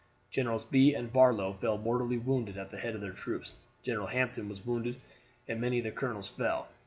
Generals Bee and Barlow fell mortally wounded at the head of their troops. General Hampton was wounded, and many of the colonels fell.